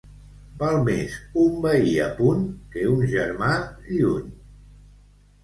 Val més un veí a punt que un germà lluny.